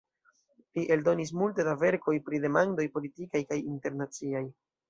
Li eldonis multe da verkoj pri demandoj politikaj kaj internaciaj.